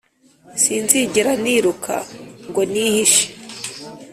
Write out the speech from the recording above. sinzigera niruka ngo nihishe.